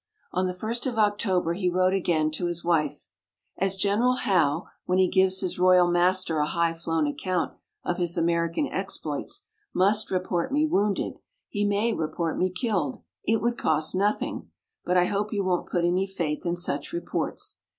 On the 1st of October he wrote again to his wife: "As General Howe, when he gives his royal master a high flown account of his American exploits, must report me wounded, he may report me killed; it would cost nothing; but I hope you won't put any faith in such reports.